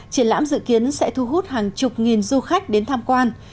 triển lãm dự kiến sẽ thu hút hàng chục nghìn du khách đến tham quan